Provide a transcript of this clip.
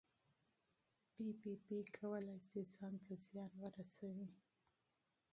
پي پي پي کولی شي ځان ته زیان ورسوي.